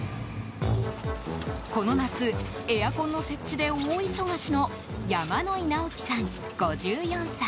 この夏エアコンの設置で大忙しの山野井直樹さん、５４歳。